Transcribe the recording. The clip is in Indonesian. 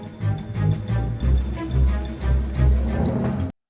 ketua persib bandung tiongkok jawa barat